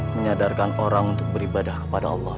menyadarkan orang untuk beribadah kepada allah